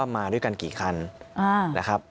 มาด้วยกันกี่คันนะครับ